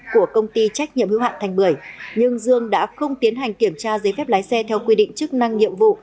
của công ty trách nhiệm hữu hạn thành bưởi nhưng dương đã không tiến hành kiểm tra giấy phép lái xe theo quy định chức năng nhiệm vụ